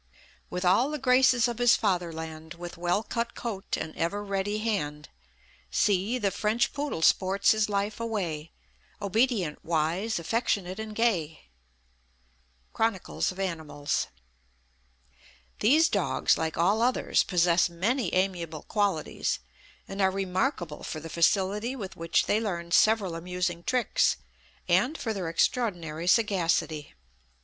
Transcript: "With all the graces of his fatherland; With well cut coat, and ever ready hand See the French poodle sports his life away; Obedient, wise, affectionate, and gay." Chronicles of Animals. These dogs, like all others, possess many amiable qualities, and are remarkable for the facility with which they learn several amusing tricks, and for their extraordinary sagacity.